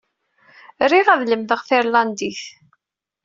Riɣ ad lemdeɣ tirlandit.